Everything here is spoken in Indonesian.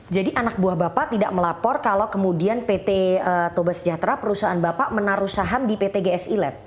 jadi anak buah bapak tidak melapor kalau kemudian pt tomas sejahtera perusahaan bapak menaruh saham di pt gsi lab